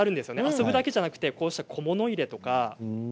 遊ぶだけではなくて小物入れとか。